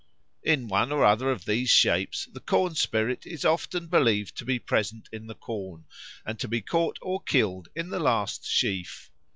In one or other of these shapes the corn spirit is often believed to be present in the corn, and to be caught or killed in the last sheaf.